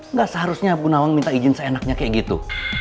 nggak seharusnya bunda wang minta izin seenaknya kayak gitu